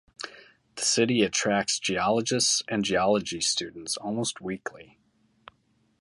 The city attracts geologists and geology students almost weekly.